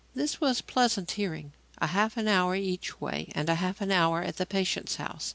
This was pleasant hearing. A half an hour each way and a half an hour at the patient's house.